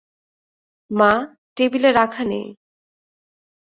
মা, টেবিলে রাখা নেই।